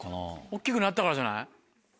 大きくなったからじゃない。